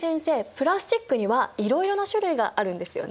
プラスチックにはいろいろな種類があるんですよね？